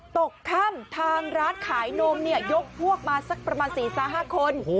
ตกข้ามทางร้านขายนมเนี่ยยกพวกมาสักประมาณ๔๕คน